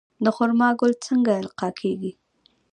د خرما ګل څنګه القاح کیږي؟